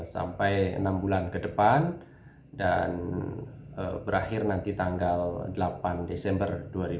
sampai enam bulan ke depan dan berakhir nanti tanggal delapan desember dua ribu dua puluh